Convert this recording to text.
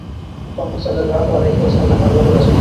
মুহাম্মদ সাল্লাল্লাহু আলাইহি ওয়াসাল্লাম আল্লাহর রাসূল।